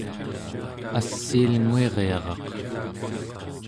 assiilnguiryaraq